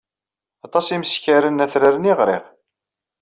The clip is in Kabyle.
Aṭas imeskaren atraren i ɣriɣ.